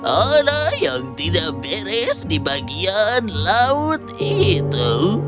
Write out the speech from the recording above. ada yang tidak beres di bagian laut itu